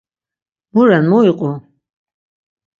Mu ren, mu iqu?